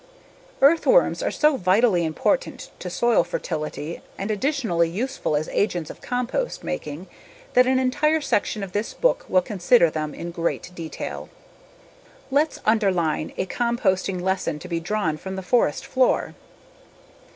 Earthworms are so vitally important to soil fertility and additionally useful as agents of compost making that an entire section of this book will consider them in great detail. Let's underline a composting lesson to be drawn from the forest floor.